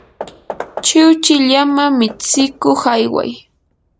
chiwchi llama mitsikuq ayway.